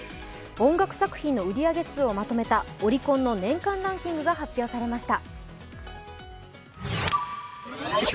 音楽作品の売り上げ数をまとめたオリコンの年間ランキングが発表されました。